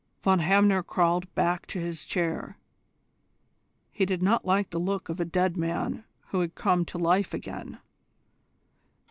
Von Hamner crawled back to his chair. He did not like the look of a dead man who had come to life again.